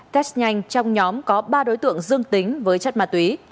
test nhanh trong nhóm có ba đối tượng dương tính với chất ma túy